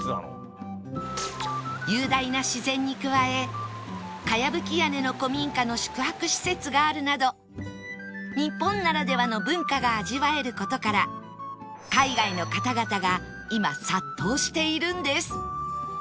雄大な自然に加えかやぶき屋根の古民家の宿泊施設があるなど日本ならではの文化が味わえる事から海外の方々が今殺到しているんです